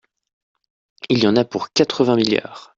Et il y en a pour quatre-vingts milliards.